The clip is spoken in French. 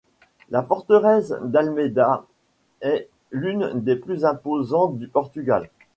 La forteresse d'Almeida est l'une des plus imposantes du Portugal.